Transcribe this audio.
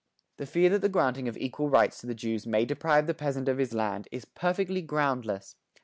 The fear that the granting of equal rights to the Jews may deprive the peasant of his land, is perfectly groundless.